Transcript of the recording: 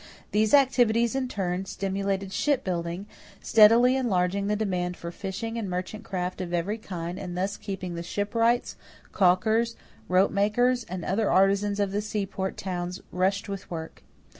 These activities, in turn, stimulated shipbuilding, steadily enlarging the demand for fishing and merchant craft of every kind and thus keeping the shipwrights, calkers, rope makers, and other artisans of the seaport towns rushed with work.